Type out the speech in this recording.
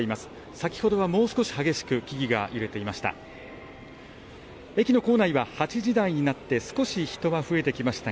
先ほどはもう少し激しく木々が揺れていました。